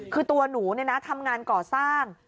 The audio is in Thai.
คือตัวหนูทำงานก่อสร้าง